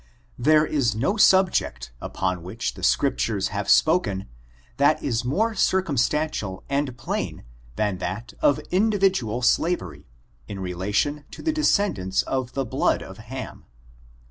There is no subject upon which the Scriptures have spoken that is more circumstantial and plain than that of individual slavery, in relation to the de scendants of the blood of Ham.